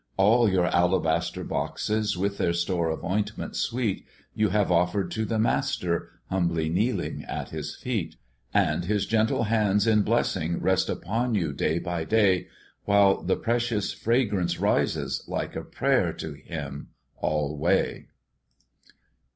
"All your alabaster boxes, With their store of ointment sweet, You have offered to the Master, Humbly kneeling at his feet, "And his gentle hands in blessing Rest upon you day by day, While the precious fragrance rises Like a prayer to him alway."